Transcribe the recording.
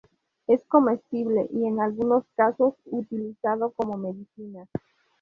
Es comestible y en algunos casos utilizado como medicinas.